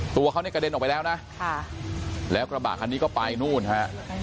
ตัวเขาเนี่ยกระเด็นออกไปแล้วนะแล้วกระบะคันนี้ก็ไปนู่นฮะ